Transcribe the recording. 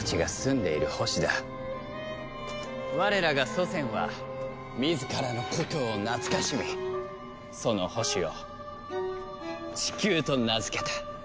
我らが祖先は自らの故郷を懐かしみその星をチキューと名付けたとさ。